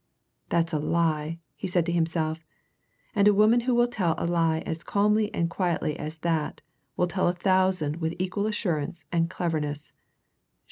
"That's a lie!" he said to himself. "And a woman who will tell a lie as calmly and quietly as that will tell a thousand with equal assurance and cleverness.